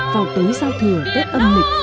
vào tối giao thừa tết âm lịch